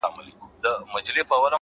چي بیا زما د ژوند شکايت درنه وړي و تاته،